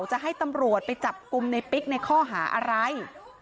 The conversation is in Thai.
จะให้ตำรวจไปจับกลุ่มในปิ๊กในข้อหาอะไร